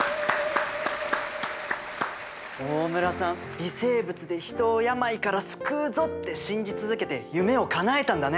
微生物で人を病から救うぞって信じ続けて夢をかなえたんだね！